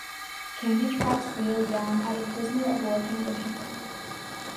Candy tracks Theo down at a prisoner of war camp in England.